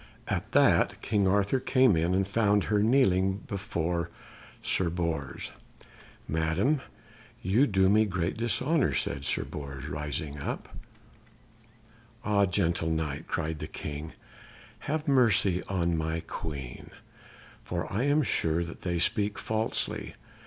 At that King Arthur came in, and found her kneeling before Sir Bors. "Madame! you do me great dishonour," said Sir Bors, raising her up. "Ah, gentle Knight," cried the King, "have mercy on my Queen, for I am sure that they speak falsely.